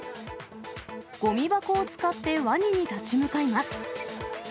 ごみ箱を使って、ワニに立ち向かいます。